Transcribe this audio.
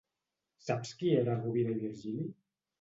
Saps qui era Rovira i Virgili?